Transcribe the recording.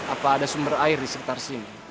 apa ada sumber air disekitar sini